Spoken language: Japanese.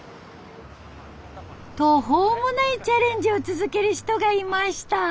途方もないチャレンジを続ける人がいました。